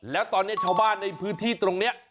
แล้วตอนนี้ชาวบ้านในพื้นที่ตรงนี้